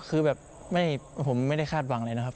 คือแบบผมไม่ได้คาดหวังอะไรนะครับ